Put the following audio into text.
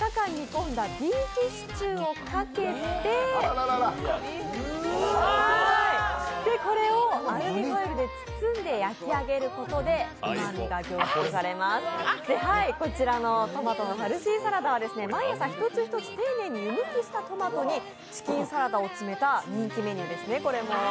これに４日間煮込んだビーフシチューをかけてこれをアルミホイルで包んで焼き上げることでうまみが凝縮されます、こちらのトマトのファルシーサラダは毎朝１つ１つ丁寧に湯むきしたトマトにチキンサラダを詰めた人気メニューですね。